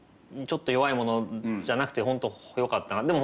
ちょっと弱いものじゃなくて本当よかったな。